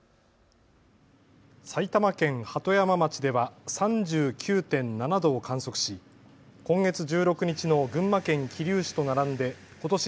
埼玉県鳩山町では３９．７度を観測し今月１６日の群馬県桐生市と並んでことし